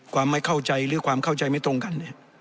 ความไม่เข้าใจหรือความเข้าใจไม่ตรงกัน